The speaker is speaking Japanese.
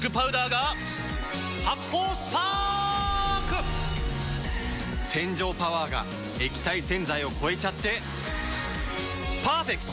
発泡スパーク‼洗浄パワーが液体洗剤を超えちゃってパーフェクト！